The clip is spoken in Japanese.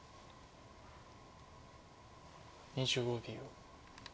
２５秒。